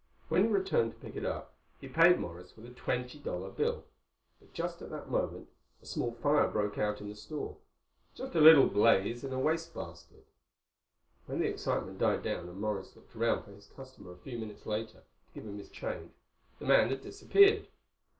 When he returned to pick it up he paid Morris with a twenty dollar bill. But just at that moment a small fire broke out in the store. Just a little blaze in a wastebasket. When the excitement died down and Morris looked around for his customer a few minutes later, to give him his change, the man had disappeared.